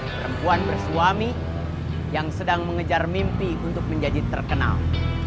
perempuan bersuami yang sedang mengejar mimpi untuk menjadi terkenal